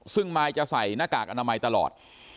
ซึ่งมายจะใส่หน้ากากอนามัยตลอด